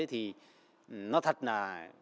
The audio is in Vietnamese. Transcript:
thì nó thật là